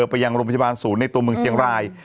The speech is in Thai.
ไปยังโรงพยาบาลศูนย์ในตัวเมืองเชียงราย